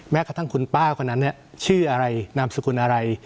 แม้กระทั่งคุณป้าคนนั้นเนี่ยชื่ออะไรนามสุขุนอะไร